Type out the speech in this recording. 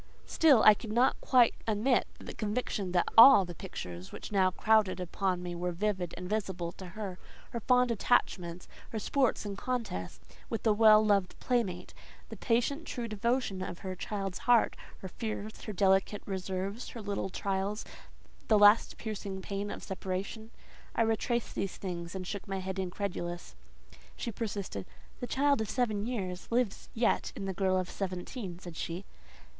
Still I could not quite admit the conviction that all the pictures which now crowded upon me were vivid and visible to her. Her fond attachments, her sports and contests with a well loved playmate, the patient, true devotion of her child's heart, her fears, her delicate reserves, her little trials, the last piercing pain of separation…. I retraced these things, and shook my head incredulous. She persisted. "The child of seven years lives yet in the girl of seventeen," said she.